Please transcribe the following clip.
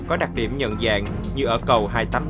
có đặc điểm nhận dạng như ở cầu hai trăm tám mươi bảy